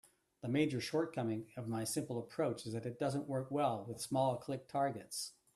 The major shortcoming of my simple approach is that it doesn't work well with small click targets.